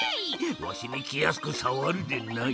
わしにきやすくさわるでない！